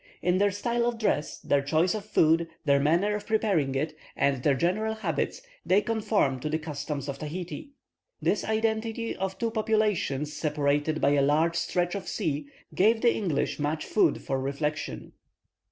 In their style of dress, their choice of food, their manner of preparing it, and their general habits, they conform to the customs of Tahiti. This identity of two populations separated by a large stretch of sea gave the English much food for reflection.